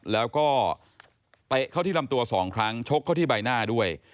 แล้วก็เตะเข้าที่ลำตัว๒ครั้งชกเข้าที่ใบหน้าด้วย